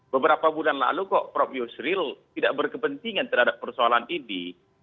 beberapa bulan lalu kok prof yusril tidak berkepentingan terhadap persoalan ini